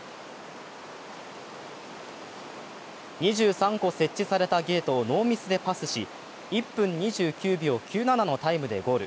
２３個設置されたゲートをノーミスでパスし、１分２９秒９７のタイムでゴール。